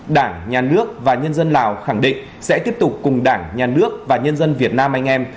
đảng nhà nước và nhân dân lào khẳng định sẽ tiếp tục cùng đảng nhà nước và nhân dân việt nam anh em